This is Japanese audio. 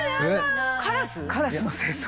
カラス？